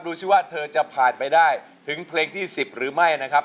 ดูสิว่าเธอจะผ่านไปได้ถึงเพลงที่๑๐หรือไม่นะครับ